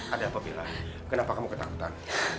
ada apa pilar kenapa kamu ketakutan